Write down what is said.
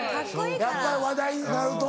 やっぱり話題になると。